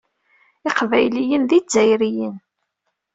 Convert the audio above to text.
Iqbayliyen d Izzayriyen.